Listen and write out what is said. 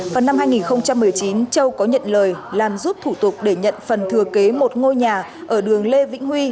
vào năm hai nghìn một mươi chín châu có nhận lời làm giúp thủ tục để nhận phần thừa kế một ngôi nhà ở đường lê vĩnh huy